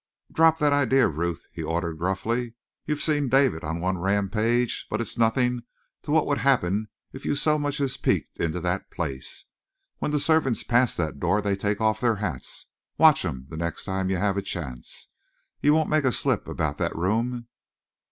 "Drop that idea, Ruth," he ordered gruffly. "You've seen David on one rampage, but it's nothing to what would happen if you so much as peeked into that place. When the servants pass that door they take off their hats watch 'em the next time you have a chance. You won't make a slip about that room?"